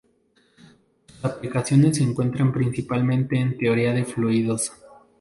Sus aplicaciones se encuentran principalmente en teoría de fluidos.